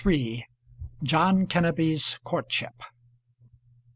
JOHN KENNEBY'S COURTSHIP.